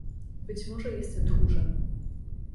"Być może jestem tchórzem."